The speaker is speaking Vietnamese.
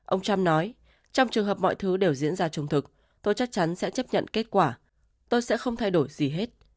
ông trump nói trong trường hợp mọi thứ đều diễn ra trung thực tôi chắc chắn sẽ chấp nhận kết quả tôi sẽ không thay đổi gì hết